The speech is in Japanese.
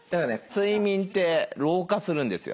睡眠って老化するんですよ。